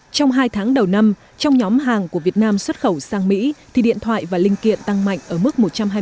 trong hai tháng đầu năm trong nhóm hàng của việt nam xuất khẩu sang mỹ thì điện thoại và linh kiện tăng mạnh ở mức một trăm hai mươi